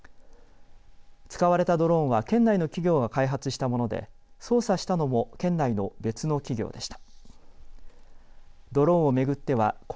使われたドローンは県内の企業が開発したもので操作したのも県内の別の企業でした。